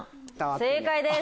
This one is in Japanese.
正解です。